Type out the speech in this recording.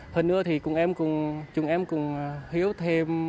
hơn nữa thì chúng em cũng hiểu thêm